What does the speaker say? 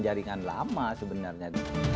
jaringan lama sebenarnya